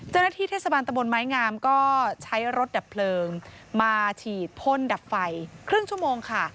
เจ้าหน้าที่เทศบาลตะบนไม้งามก็ใช้รถดับเพลิงมาฉีดพ่นดับไฟครึ่งชั่วโมงค่ะ